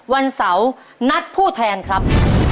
วันเสาร์นัดผู้แทนครับ